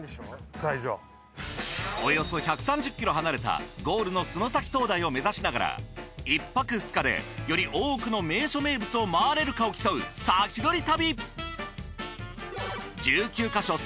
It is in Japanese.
およそ１３０ｋｍ離れたゴールの洲埼灯台を目指しながら１泊２日でより多くの名所名物を回れるかを競う先取り旅！